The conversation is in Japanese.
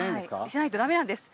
しないとダメなんです。